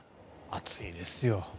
暑いですよ。